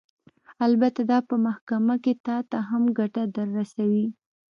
البته دا به په محکمه کښې تا ته هم ګټه درورسوي.